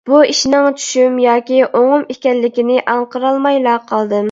بۇ ئىشنىڭ چۈشۈم ياكى ئوڭۇم ئىكەنلىكىنى ئاڭقىرالمايلا قالدىم.